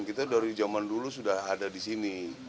kita dari zaman dulu sudah ada di sini